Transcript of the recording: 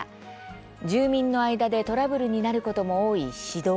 住民の間でトラブルになることも多い私道。